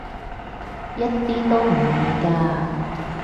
一啲都唔易㗎